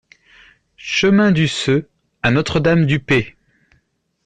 Chemin du Ceux à Notre-Dame-du-Pé